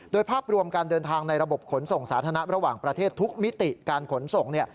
โดยภาพรวมการเดินทางในระบบขนส่งสาธารณะระหว่างประเทศทุกมิติการขนส่ง